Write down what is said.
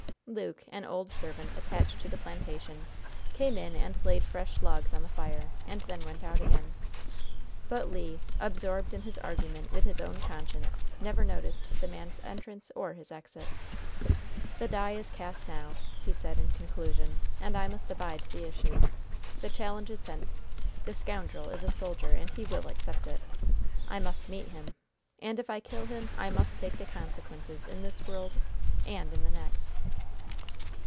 Luke, an old servant attached to the plantation, came in and laid fresh logs on the fire, and then went out again. But Le, absorbed in his argument with his own conscience, never noticed the man's entrance or his exit. "The die is cast now," he said, in conclusion, "and I must abide the issue. The challenge is sent. The scoundrel is a soldier, and he will accept it! I must meet him! And, if I kill him, I must take the consequences in this world and in the next!"